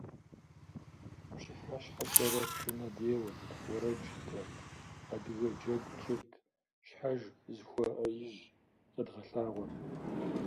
ПщыхьэщхьэкӀэрэ пшынэ деуэрт, уэрэд жытӀэрт, адыгэ джэгу тщӀырт - щхьэж зыхуэӀэижь къэдгъэлъагъуэрт.